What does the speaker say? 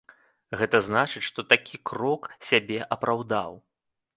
Гэта значыць, што такі крок сябе апраўдаў.